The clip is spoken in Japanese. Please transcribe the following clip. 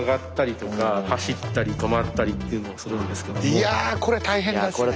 いやこれ大変ですね。